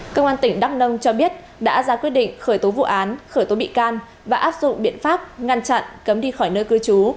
công an tỉnh đắk nông cho biết đã ra quyết định khởi tố vụ án khởi tố bị can và áp dụng biện pháp ngăn chặn cấm đi khỏi nơi cư trú